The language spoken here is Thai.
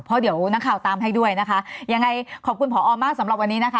เพราะเดี๋ยวนักข่าวตามให้ด้วยนะคะยังไงขอบคุณผอมากสำหรับวันนี้นะคะ